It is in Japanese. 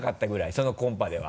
そのコンパでは。